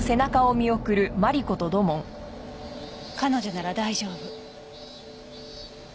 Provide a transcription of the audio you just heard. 彼女なら大丈夫。